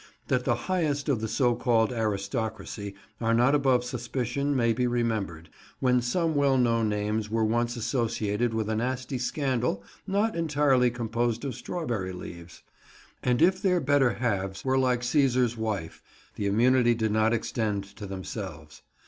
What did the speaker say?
That the highest of the so called aristocracy are not above suspicion may be remembered, when some well known names were once associated with a nasty scandal not entirely composed of strawberry leaves; and if their better halves were like Cæsar's wife, the immunity did not extend to themselves.